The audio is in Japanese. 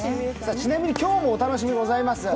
ちなみに今日もお楽しみでございます。